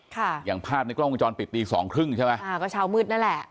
อย่างภาพในกล้องวงจรปิดตีสองครึ่งใช่ไหมอ่าก็เช้ามืดนั่นแหละ